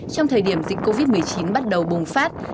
trong thời điểm dịch covid một mươi chín bắt đầu bùng phát